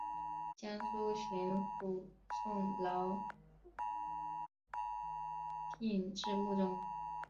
江苏巡抚宋荦聘致幕中。